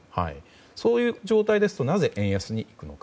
そういう状態ですとなぜ円安に？